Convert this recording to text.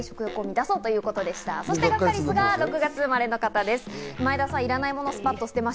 そしてガッカりすが６月生まれの方です、前田さん。